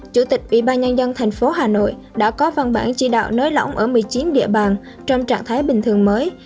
chủ tịch ủy ban nhân dân thành phố hà nội đã có văn bản chỉ đạo nới lỏng ở một mươi chín địa bàn trong trạng thái bình thường mới